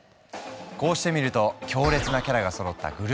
こうしてみると強烈なキャラがそろったグループＥ。